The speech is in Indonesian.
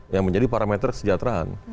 yang menjadi parameter kesejahteraan